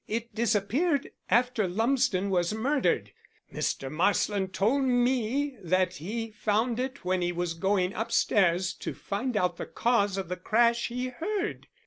"It disappeared after Lumsden was murdered. Mr. Marsland told me that he found it when he was going upstairs to find out the cause of the crash he heard.